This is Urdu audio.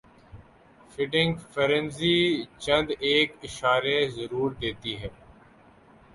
فیڈنگ فرینزی چند ایک اشارے ضرور دیتی ہے